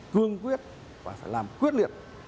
cương quyết và phải làm quyết liệt